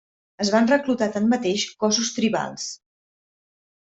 Es van reclutar tanmateix cossos tribals.